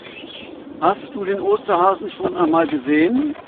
Hast du den Osterhasen schon einmal gesehen?